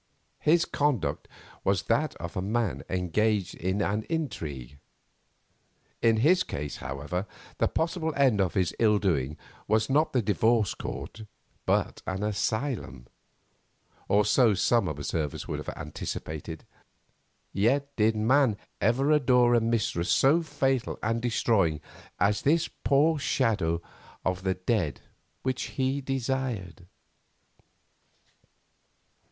His conduct was that of a man engaged in an intrigue. In his case, however, the possible end of his ill doing was not the divorce court, but an asylum, or so some observers would have anticipated. Yet did man ever adore a mistress so fatal and destroying as this poor shadow of the dead which he desired?